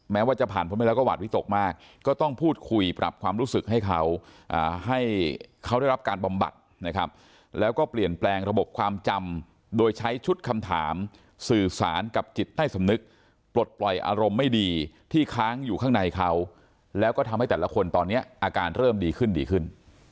ว่าจะผ่านพ้นไปแล้วก็หวาดวิตกมากก็ต้องพูดคุยปรับความรู้สึกให้เขาให้เขาได้รับการบำบัดนะครับแล้วก็เปลี่ยนแปลงระบบความจำโดยใช้ชุดคำถามสื่อสารกับจิตใต้สำนึกปลดปล่อยอารมณ์ไม่ดีที่ค้างอยู่ข้างในเขาแล้วก็ทำให้แต่ละคนตอนนี้อาการเริ่มดีขึ้นดีขึ้น